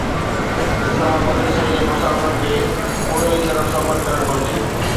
اصلاح مدرسي جي مسافر کي ان ئي طرف سفر ڪرڻ گهرجي.